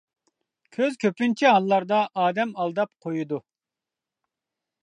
كۆز كۆپىنچە ھاللاردا ئادەم ئالداپ قويىدۇ.